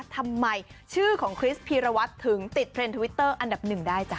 ทำไมชื่อของคริสพีรวัตรถึงติดเทรนดทวิตเตอร์อันดับหนึ่งได้จ้